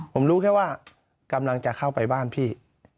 ผมรู้แค่ว่ากำลังจะเข้าไปบ้านพี่